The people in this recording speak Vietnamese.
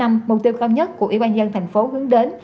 mục tiêu cao nhất của ủy ban nhân thành phố hướng đến